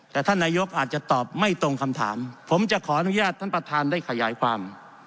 แต่ท่านนายกอาจจะตอบไม่ตรงคำถามผมจะขออนุญาตท่านประธานได้ขยายความ